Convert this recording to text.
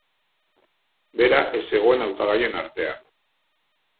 Bera ez zegoen hautagaien artean...